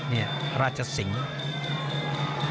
เนี่ยราชสิงห์